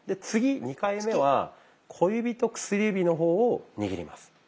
次２回目は小指と薬指の方を握ります。